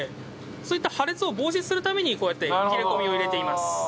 そういった破裂を防止するためにこうやって切れ込みを入れています。